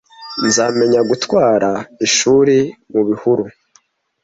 nzamenya gutwara ishuri mubihuru